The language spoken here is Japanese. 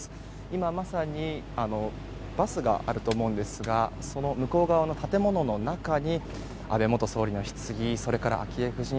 今まさにバスがあると思いますがその向こう側の建物の中に安倍元総理のひつぎそれから昭恵夫人